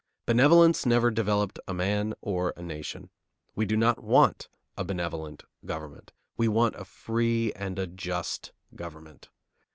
Benevolence never developed a man or a nation. We do not want a benevolent government. We want a free and a just government.